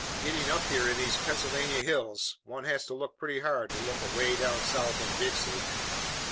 Getting up here in these Pennsylvania hills, one has to look pretty hard to look away down South in Dixie."